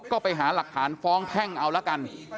ก็ไปหาหลักฐานฟ้องแพ่งเอาละกัน